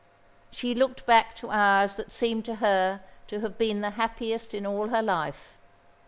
She looked back to hours that seemed to her to have been the happiest in all her life.